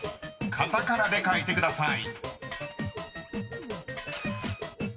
［カタカナで書いてください］